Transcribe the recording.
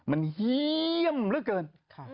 มันเยี่ยมเหลือเกิน